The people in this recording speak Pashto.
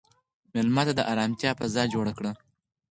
مېلمه ته د ارامتیا فضا جوړ کړه.